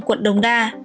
quận đồng đa